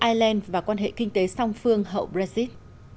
ireland và quan hệ kinh tế song phương hậu brexit